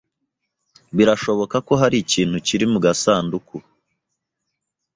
Birashoboka ko hari ikintu kiri mu gasanduku.